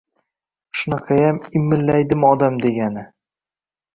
Shunaqayam imilliydimi odam digani?